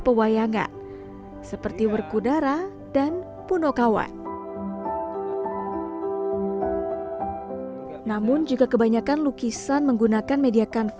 pewayangan seperti workudara dan punokawan namun jika kebanyakan lukisan menggunakan media kanvas